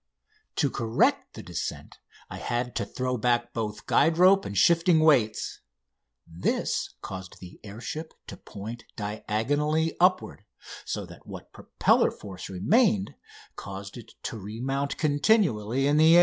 To correct the descent I had to throw back both guide rope and shifting weights. This caused the air ship to point diagonally upward, so that what propeller force remained caused it to remount continually in the air.